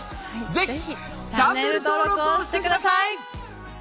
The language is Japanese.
ぜひチャンネル登録をしてください！